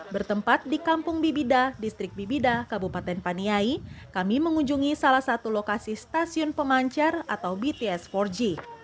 bertempat di kampung bibida distrik bibida kabupaten paniai kami mengunjungi salah satu lokasi stasiun pemancar atau bts empat g